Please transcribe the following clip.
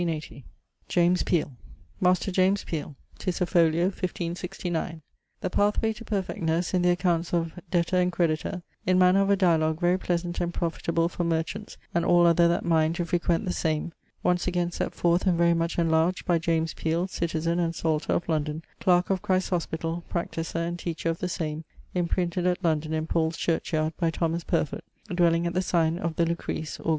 =James Peele.= Maister James Peele 'tis a folio, 1569: ¶The pathewaye to perfectnes in th' accomptes of debitour and creditour, in manner of a dialogue very pleasant and profitable for merchauntes and all other that minde to frequent the same, once again set forth and very much enlarged by James Peele, citizen and salter of London, Clercke of Christes Hospitall, practiser and teacher of the same, imprinted at London in Paule's church yard by Thomas Purfoote, dwelling at the signe of the Lucrece, Aug.